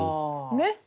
ねっ。